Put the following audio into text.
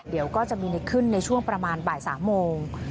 เดี๋ยวก็จะมีขึ้นในช่วงประมาณบ่าย๓โมง